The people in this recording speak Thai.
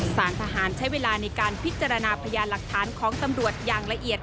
สารทหารใช้เวลาในการพิจารณาพยานหลักฐานของตำรวจอย่างละเอียด